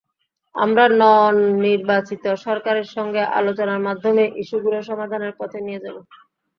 আমরা নবনির্বাচিত সরকারের সঙ্গে আলোচনার মাধ্যমে ইস্যুগুলো সমাধানের পথে নিয়ে যাব।